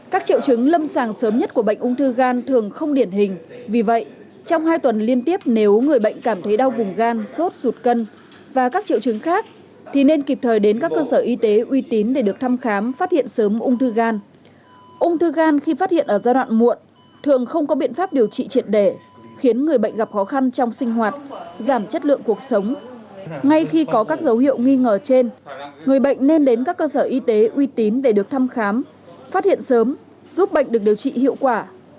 các dấu hiệu nghi ngờ trên người bệnh nên đến các cơ sở y tế uy tín để được thăm khám phát hiện sớm giúp bệnh được điều trị hiệu quả